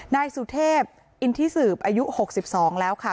นายสุเทพอินทิสืบอายุ๖๒แล้วค่ะ